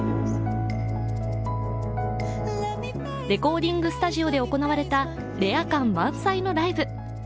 レコーディングスタジオで行われたレア感満載のライブ。